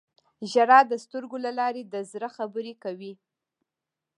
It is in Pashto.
• ژړا د سترګو له لارې د زړه خبرې کوي.